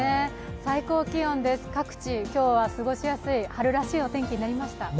最高気温です、各地、今日は過ごしやすい、春らしいお天気になりました。